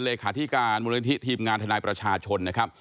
เลขาที่การมหลังที่ทีมงานทนายประชาชนนะครับ